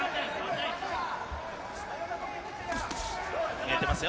見えてますよ。